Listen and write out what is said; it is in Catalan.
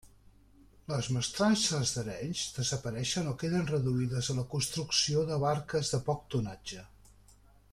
Les mestrances d'Arenys desapareixen o queden reduïdes a la construcció de barques de poc tonatge.